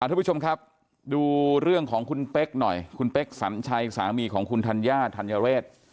ทุกผู้ชมครับดูเรื่องของคุณเป๊กหน่อยคุณเป๊กสัญชัยสามีของคุณธัญญาธัญเรศ